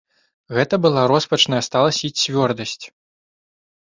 Гэта была роспачная сталасць і цвёрдасць.